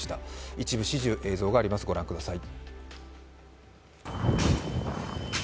一部始終、映像があります、ご覧ください。